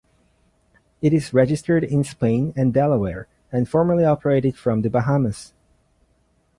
It is registered in Spain and Delaware, and formerly operated from the Bahamas.